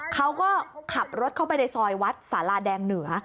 เขาก็ขับรถเข้าไปในซอยวัดสาราแดงเหนือ